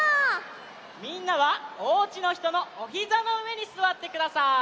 みんなはおうちのひとのおひざのうえにすわってください。